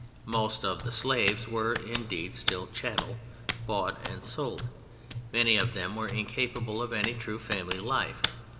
Most of the slaves were, indeed, still chattel, bought and sold; many of them were incapable of any true family life.